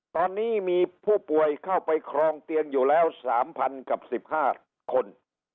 ตอนนี้มีผู้ป่วยเข้าไปครองเตียงอยู่แล้ว๓๐๐กับ๑๕คน